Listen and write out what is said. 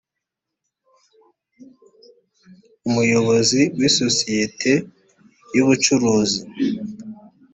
umuyobozi w isosiyete y ubucuruzi